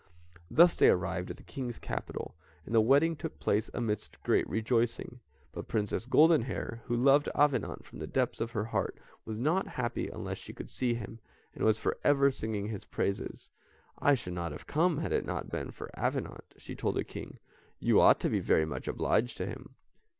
Thus they arrived at the King's capital, and the wedding took place amidst great rejoicings; but Princess Goldenhair, who loved Avenant from the depths of her heart, was not happy unless she could see him, and was for ever singing his praises. "I should not have come, had it not been for Avenant," she told the King, "you ought to be very much obliged to him."